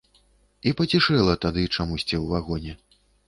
І пацішэла тады чамусьці ў вагоне.